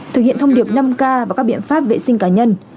thực hiện thông điệp năm k và các biện pháp vệ sinh cá nhân